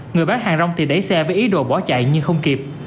người bán hàng rong thì đẩy xe với ý đồ bỏ chạy nhưng không kịp